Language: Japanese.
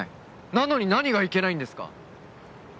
なのに何がいけないんですか？